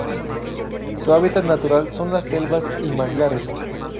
Su hábitat natural son las selvas y manglares.